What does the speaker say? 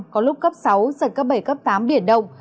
có lúc cấp sáu giật cấp bảy cấp tám biển động